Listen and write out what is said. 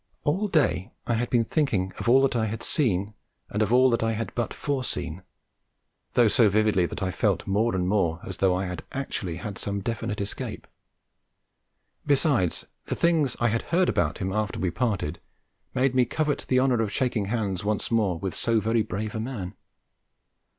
All day I had been thinking of all that I had seen, and of all I had but foreseen, though so vividly that I felt more and more as though I had actually had some definite escape; besides, the things I had heard about him after we parted made me covet the honour of shaking hands once more with so very brave a man.